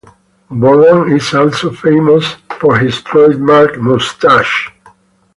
Boland is also famous for his trademark moustache.